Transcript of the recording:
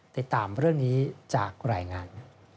ติดตามเรื่องนี้จากรายงาน